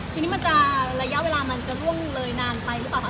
ทีนี้มันจะระยะเวลามันจะร่วงเลยนานไปหรือเปล่าคะ